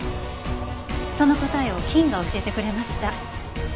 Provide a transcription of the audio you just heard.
その答えを菌が教えてくれました。